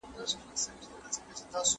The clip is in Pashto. هغه سیسټم چي ظلم کوي دوام نه کوي.